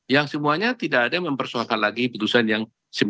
yang semuanya tidak ada yang mempersoalkan lagi putusan yang sembilan puluh